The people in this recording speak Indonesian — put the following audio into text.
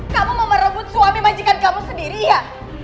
kamu mau merebut suami majikan kamu sendiri ya